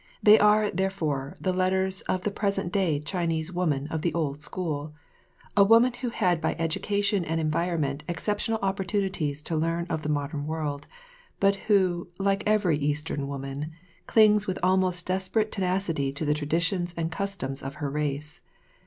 They are, therefore, the letters of the present day Chinese woman of the old school, a woman who had by education and environment exceptional opportunities to learn of the modern world, but who, like every Eastern woman, clings with almost desperate tenacity to the traditions and customs of her race.